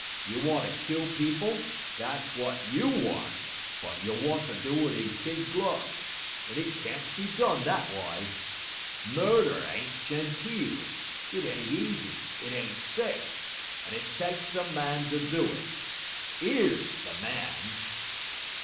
You want to kill people, that's wot YOU want; but you want to do it in kid gloves, and it can't be done that w'y. Murder ain't genteel, it ain't easy, it ain't safe, and it tykes a man to do it. 'Ere's the man.'